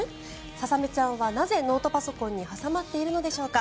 ささめちゃんはなぜ、ノートパソコンに挟まっているのでしょうか。